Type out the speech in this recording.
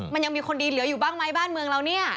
มันยังมีคนดีเหลืออยู่บ้างไหมบ้านเมืองเราเนี่ย